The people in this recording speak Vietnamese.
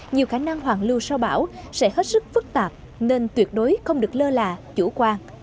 nhiều khả năng hoàn lưu sau bão sẽ hết sức phức tạp nên tuyệt đối không được lơ là chủ quan